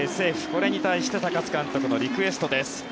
これに対して高津監督のリクエストです。